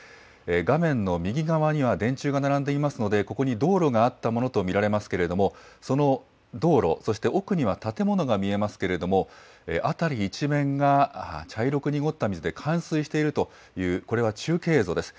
画面の右側には電柱が並んでいますので、ここに道路があったものと見られますけれども、その道路、そして奥には建物が見えますけれども、辺り一面が、茶色く濁った水で冠水しているという、これは中継映像です。